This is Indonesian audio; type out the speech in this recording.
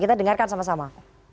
kita dengarkan sama sama